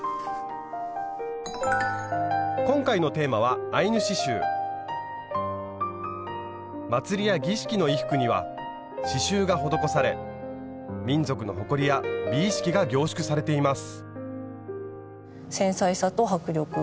今回のテーマは祭りや儀式の衣服には刺しゅうが施され民族の誇りや美意識が凝縮されています。